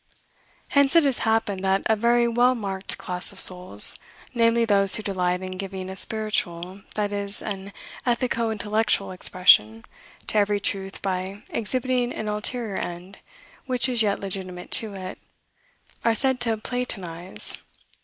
Hence it has happened that a very well marked class of souls, namely those who delight in giving a spiritual, that is, an ethico intellectual expression to every truth by exhibiting an ulterior end which is yet legitimate to it, are said to Platonize.